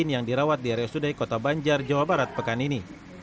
yang dirawat di rsud kota banjar jawa barat pekan ini